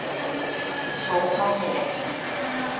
It soalt my neat.